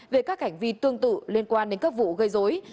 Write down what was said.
về các hành vi tương tự liên quan đến các vụ gây dối